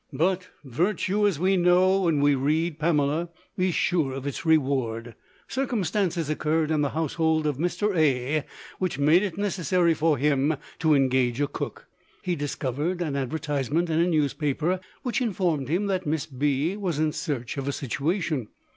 "But virtue, as we know when we read 'Pamela,' is sure of its reward. Circumstances occurred in the household of Mr. A. which made it necessary for him to engage a cook. He discovered an advertisement in a newspaper, which informed him that Miss B. was in search of a situation.